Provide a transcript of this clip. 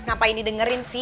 ngapain didengerin sih